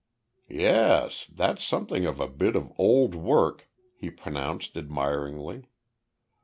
"Yes. That's something of a bit of old work," he pronounced admiringly.